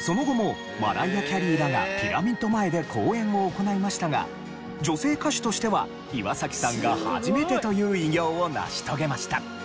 その後もマライア・キャリーらがピラミッド前で公演を行いましたが女性歌手としては岩崎さんが初めてという偉業を成し遂げました。